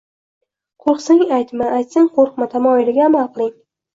“Qo‘rqsang aytma, aytsang qo‘rqma” tamoyiliga amal qiling.